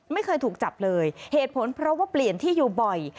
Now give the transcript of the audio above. ไม่เคยถูกจับเลยเหตุผลเพราะว่าเปลี่ยนที่อยู่บ่อย